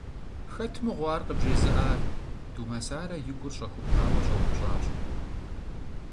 Хэт мыгъуэ ар къыбжезыӀар? – Думэсарэ и гур щӀэхупауэ щӀэупщӀащ.